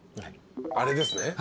あれですね？